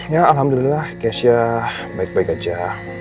ya alhamdulillah keisha baik baik aja